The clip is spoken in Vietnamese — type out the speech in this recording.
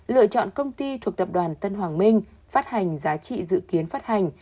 lựa chọn công ty thuộc tập đoàn tân hoàng minh phát hành giá trị dự kiến phát hành